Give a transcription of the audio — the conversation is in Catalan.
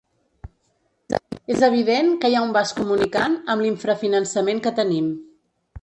És evident que hi ha un vas comunicant amb l’infrafinançament que tenim.